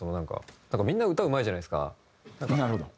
みんな歌うまいじゃないですか。